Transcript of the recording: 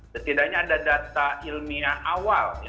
setidaknya ada data ilmiah awal